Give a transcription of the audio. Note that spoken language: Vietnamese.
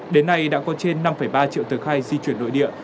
đến nay đã có trên năm ba triệu tờ khai di chuyển nội địa